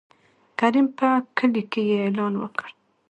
کريم په کلي کې يې اعلان وکړ.